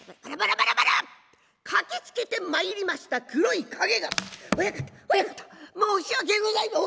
駆けつけてまいりました黒い影が「親方親方申し訳ございません」。